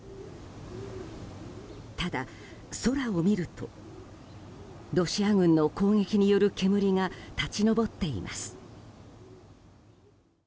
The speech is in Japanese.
ただ、空を見るとロシア軍の攻撃による煙が立ち上っています。